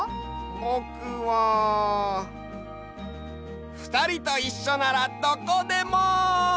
ぼくはふたりといっしょならどこでも！